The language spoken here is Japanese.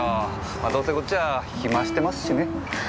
まぁどうせこっちは暇してますしね。